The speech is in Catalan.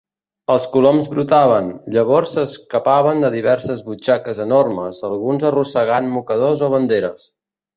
Els coloms brotaven, llavors s'escapaven de diverses butxaques enormes, alguns arrossegant mocadors o banderes.